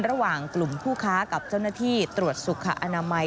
ระหว่างกลุ่มผู้ค้ากับเจ้าหน้าที่ตรวจสุขอนามัย